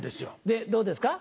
でどうですか？